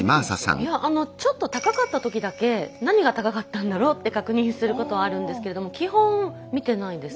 いやちょっと高かったときだけ何が高かったんだろうって確認することはあるんですけれども基本見てないです。